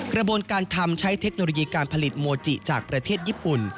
กระบวนการทำใช้เทคโนโลยีการผลิตโมจิจากประเทศญี่ปุ่น